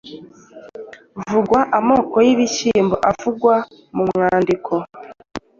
Vuga amoko y’ibishyimbo avugwa mu mwandiko.